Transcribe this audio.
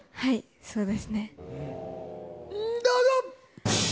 はいそうですね。どうぞ。